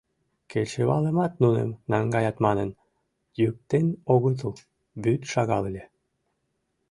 Кечывалымат нуным, наҥгаят манын, йӱктен огытыл: вӱд шагал ыле.